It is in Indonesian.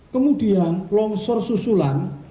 kemudian longsor susulan